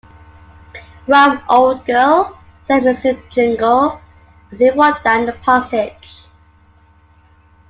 ‘Rum old girl,’ said Mr. Jingle, as he walked down the passage.